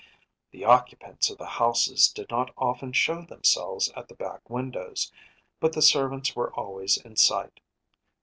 The occupants of the houses did not often show themselves at the back windows, but the servants were always in sight.